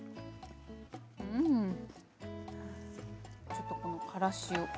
ちょっとこのからしを。